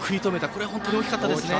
これは本当に大きかったですね。